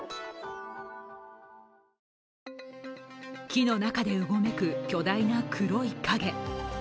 木の中でうごめく巨大な黒い影。